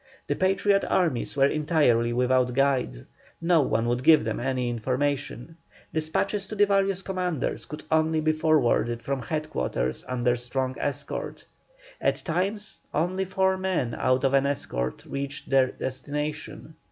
The Patriot armies were entirely without guides, no one would give them any information. Despatches to the various commanders could only be forwarded from head quarters under strong escort. At times only four men out of an escort reached their destination.